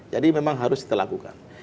jadi memang harus dilakukan